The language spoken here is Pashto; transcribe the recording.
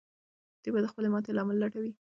دوی به د خپلې ماتې لامل لټوي.